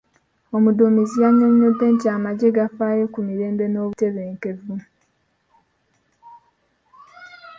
Omudduumizi yannyonyodde nti amagye gafaayo ku mirembe n'obutebenkevu.